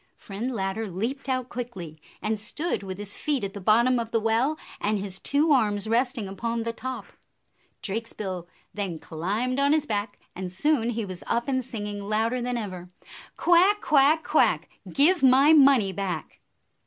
Friend Ladder leaped out quickly, and stood with his feet at the bottom of the well and his two arms resting upon the top. Drakesbill then climbed on his back, and soon he was up and singing louder than ever, "Quack, quack, quack! Give my money back."